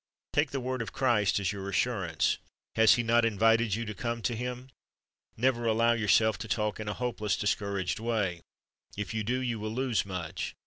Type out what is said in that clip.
Take the word of Christ as your assurance. Has He 1 1 Cor. 3 : 9 Asking to Give 14.^ not invited you to come unto Him? Never allow yourself to talk in a hopeless, discouraged way. If you do, you will lose much.